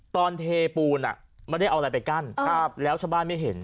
เทปูนไม่ได้เอาอะไรไปกั้นแล้วชาวบ้านไม่เห็น